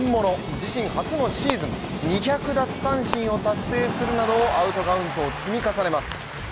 自身初のシーズン２００奪三振を達成するなどアウトカウントを積み重ねます。